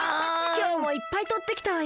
きょうもいっぱいとってきたわよ。